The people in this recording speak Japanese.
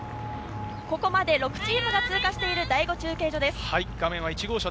ここまで６チームが通過している第５中継所です。